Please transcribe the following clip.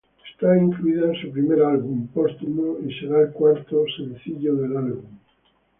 Está incluida en su primer álbum póstumo, y será el cuarto sencillo del álbum.